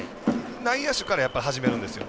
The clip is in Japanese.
内野手から始めるんですよ。